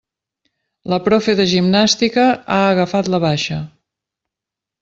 La profe de gimnàstica ha agafat la baixa.